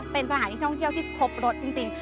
เป็นสถานที่ท่องเที่ยวที่พบรถจริง